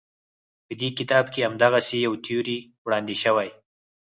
په دې کتاب کې همدغسې یوه تیوري وړاندې شوې.